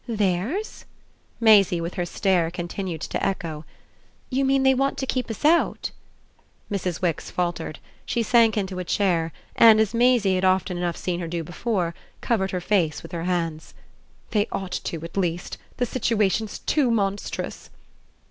"Theirs?" Maisie, with her stare, continued to echo. "You mean they want to keep us out?" Mrs. Wix faltered; she sank into a chair and, as Maisie had often enough seen her do before, covered her face with her hands. "They ought to, at least. The situation's too monstrous!"